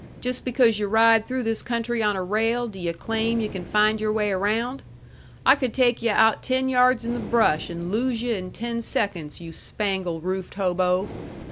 Just because yu' ride through this country on a rail, do yu' claim yu' can find your way around? I could take yu' out ten yards in the brush and lose yu' in ten seconds, you spangle roofed hobo!